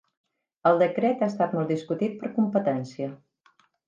El decret ha estat molt discutit per Competència